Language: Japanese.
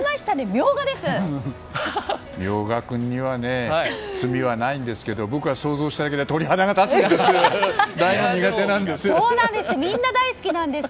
ミョウガ君には罪はないんですけど僕は想像しただけで鳥肌が立つんです！